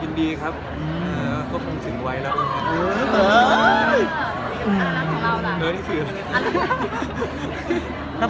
ยินดีครับก็คงถึงไว้แล้วครับ